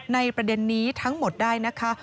ประเด็นนี้ทั้งหมดได้นะคะ